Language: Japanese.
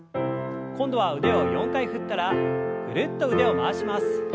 今度は腕を４回振ったらぐるっと腕を回します。